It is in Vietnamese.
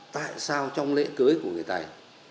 tại sao trong lễ cưới của người tày